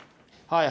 はい。